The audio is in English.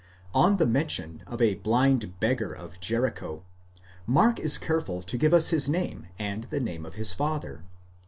On the mention of a blind beggar of Jericho, Mark is careful to give us his name, and the name of his father (x.